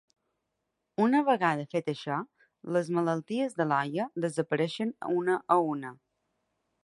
Una vegada fet això, les malalties de l'olla desapareixen una a una.